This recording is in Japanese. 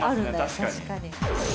確かに。